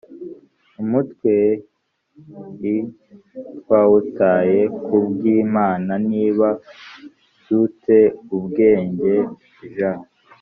umutwe i twawutaye ku bw imana niba du te ubwenge j